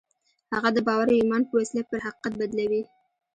هغه د باور او ايمان په وسيله پر حقيقت بدلوي.